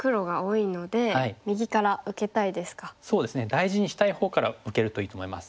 大事にしたいほうから受けるといいと思います。